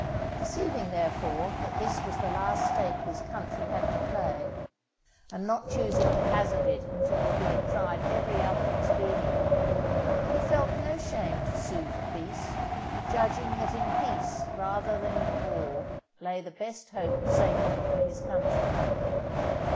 Perceiving, therefore, that this was the last stake his country had to play, and not choosing to hazard it until he had tried every other expedient, he felt no shame to sue for peace, judging that in peace rather than in war lay the best hope of safety for his country.